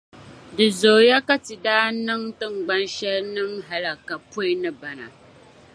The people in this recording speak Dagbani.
Di zooiya ka Ti daa niŋ tiŋgbani shɛli nim’ hallaka pɔi ni bana